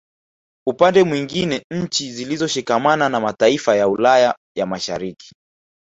Upande mwingine nchi zilizoshikamana na mataifa ya Ulaya ya Mashariki